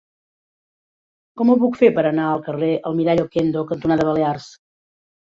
Com ho puc fer per anar al carrer Almirall Okendo cantonada Balears?